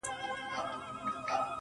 كله توري سي,